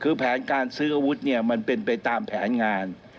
คือแผนการซื้ออาวุธเนี่ยมันเป็นไปตามแผนงาน